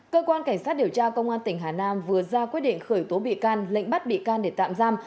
cơ quan cảnh sát điều tra công an tỉnh hà nam vừa ra quyết định khởi tố bị can lệnh bắt bị can để tạm giam